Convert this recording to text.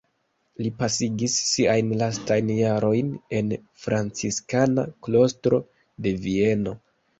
Li pasigis siajn lastajn jarojn en franciskana klostro de Vieno.